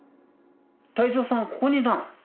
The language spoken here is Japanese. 隊長さんはここにいたの。